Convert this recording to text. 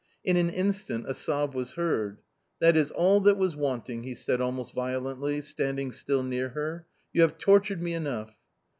In an instant a sob was heard. " That is all that was wanting !" he said almost violently, standing still near her, " you have tortured me enough